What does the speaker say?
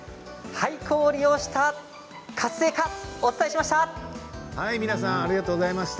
廃校を利用した活性化についてお伝えしました。